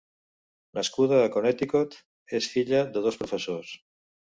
Nascuda a Connecticut, és filla de dos professors.